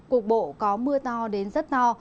cục bộ có mưa to đến rất to